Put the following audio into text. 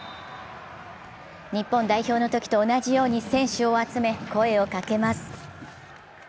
日本代表のときと同じように選手を集め声をかけます。